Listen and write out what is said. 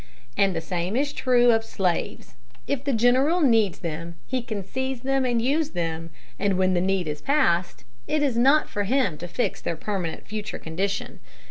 And the same is true of slaves. If the general needs them he can seize them and use them, but when the need is past, it is not for him to fix their permanent future condition.